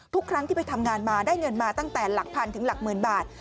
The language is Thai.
ทุกครั้งที่ไปทำงานมาได้เงินมาตั้งแต่หลักพันถึงหลักหมื่นบาท